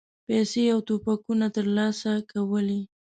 پیسې او توپکونه ترلاسه کولې.